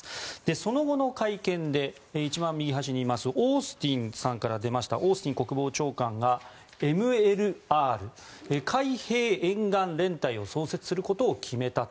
その後の会見で一番右端にいますオースティンさんから出ましたオースティン国防長官がＭＬＲ・海兵沿岸連隊を創設することを決めたと。